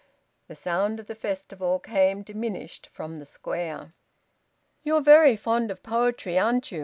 The sound of the Festival came diminished from the Square. "You're very fond of poetry, aren't you?"